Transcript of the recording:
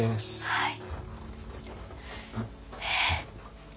はい。